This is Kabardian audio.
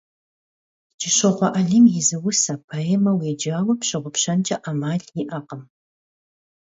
КӀыщокъуэ Алим и зы усэ, поэмэ уеджауэ пщыгъупщэнкӀэ Ӏэмал иӀэкъым.